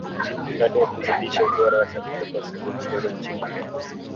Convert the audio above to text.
Mradi wa kuzidisha ubora wa chakula kwa siku zijazo nchini Kenya